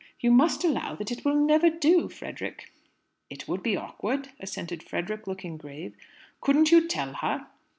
You must allow that it will never do, Frederick." "It would be awkward," assented Frederick, looking grave. "Couldn't you tell her?"